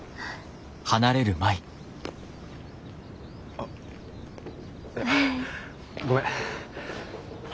あ。ごめん。